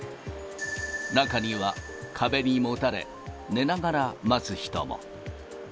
中には壁にもたれ、寝ながら待つ人も。